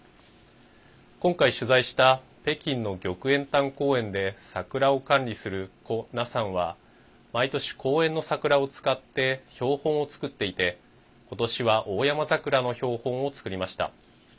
今回、取材した北京の玉淵潭公園で桜を管理する胡娜さんは毎年、公園の桜を使って標本を作っていてことしはオオヤマザクラの標本を作りました。